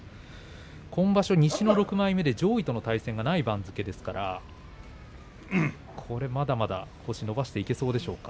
今場所、西の６枚目で上位との対戦がない番付ですからこれ、まだまだ星を伸ばしていけそうでしょうか。